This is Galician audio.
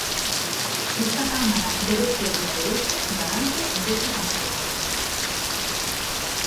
Esta cámara debe ser desde hoxe garante desa transformación.